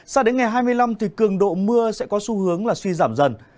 sao đến ngày hai mươi năm cường độ mưa sẽ có xu hướng suy giảm dần